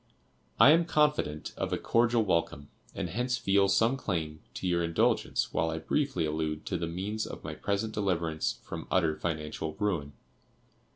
I am confident of a cordial welcome, and hence feel some claim to your indulgence while I briefly allude to the means of my present deliverance from utter financial ruin.